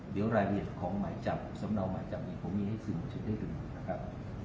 เดี๋ยวรายละเอียดของหมายจับสำนักหมายจับอีกผมมีให้ซึมให้ด้วยกันนะครับ